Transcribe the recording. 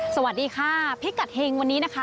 สวัสดีค่ะพิกัดเฮงวันนี้นะคะ